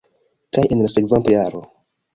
kaj en la sekvanta jaro